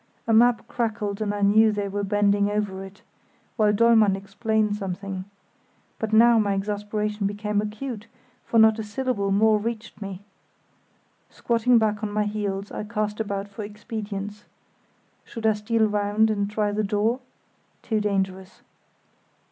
A map crackled and I knew they were bending over it, while Dollmann explained something. But now my exasperation became acute, for not a syllable more reached me. Squatting back on my heels, I cast about for expedients. Should I steal round and try the door? Too dangerous.